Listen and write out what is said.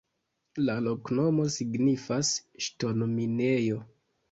La loknomo signifas: ŝtonminejo.